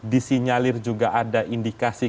disinyalir juga ada indikasi